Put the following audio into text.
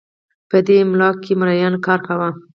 په دې املاکو کې مریانو کار کاوه